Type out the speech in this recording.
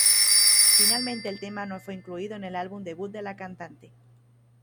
Finalmente el tema no fue incluido en el álbum debut de la cantante.